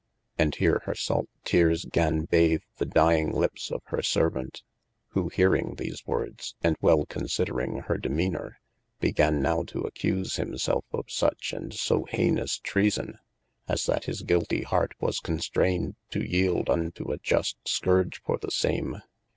And here hir salt teares gan bath the dying lippes of hir servaunt : who (hearing these wordes, and well considering hir demeanor) began now to accuse him selfe of such and so haynous treason, as that his gilty hart was constrayned to yeelde unto a just scourge for the same.